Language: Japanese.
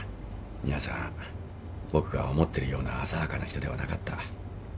皆さん僕が思ってるような浅はかな人ではなかった。